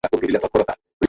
খা, এবং শান্ত হ!